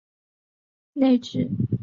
现在的站舍是内置的。